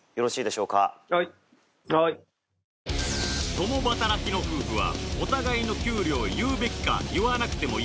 共働きの夫婦はお互いの給料を言うべきか言わなくてもいいか